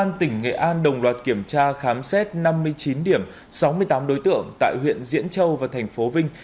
công an tỉnh nghệ an đồng loạt kiểm tra khám xét năm mươi chín điểm sáu mươi tám đối tượng tại huyện diễn châu và thành phố vinh